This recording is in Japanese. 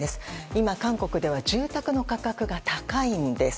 今、韓国では住宅の価格が高いんです。